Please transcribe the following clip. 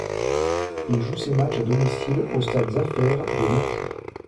Il joue ses matchs à domicile au Stade Zafer de Morphou.